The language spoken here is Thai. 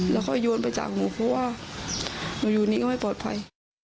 แล้วก็โยนไปจากหนูเพราะว่าหนูอยู่นี้ก็ไม่ปลอดภัย